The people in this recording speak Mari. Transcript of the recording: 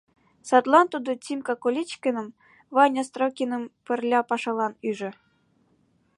Садлан тудо Тимка Колечкиным, Ваня Строкиным пырля пашалан ӱжӧ.